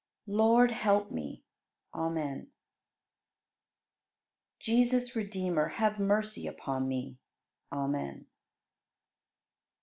62. Lord, help me! Amen. 63. Jesus, Redeemer, have mercy upon me! Amen.